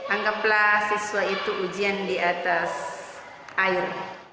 anggaplah siswa itu ujian di atas air